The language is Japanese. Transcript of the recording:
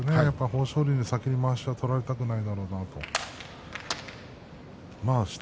豊昇龍に先にまわしを取られたくないと思います。